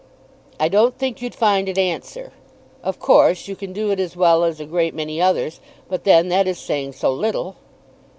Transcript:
"I don't think you'd find it answer. Of course you can do it as well as a great many others. But then that is saying so little!"